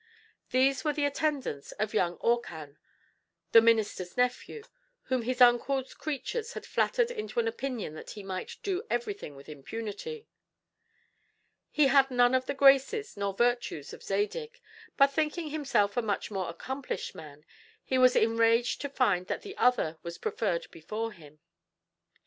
These were the attendants of young Orcan, the minister's nephew, whom his uncle's creatures had flattered into an opinion that he might do everything with impunity. He had none of the graces nor virtues of Zadig; but thinking himself a much more accomplished man, he was enraged to find that the other was preferred before him.